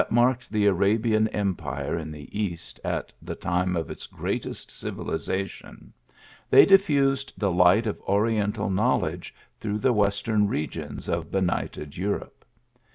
marked the Arabian empire in the east at the time of its greatest civilization, they diffused the light of oriental knowledge through the western regions of benighted Europe.